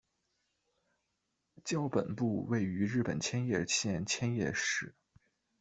校本部位于日本千叶县千叶市。